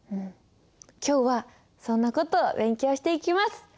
今日はそんな事を勉強していきます。